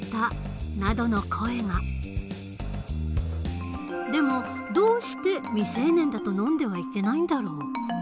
でもどうして未成年だと飲んではいけないんだろう？